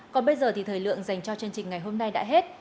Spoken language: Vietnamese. còn bây giờ thì thời lượng dành cho chương trình ngày hôm nay đã hết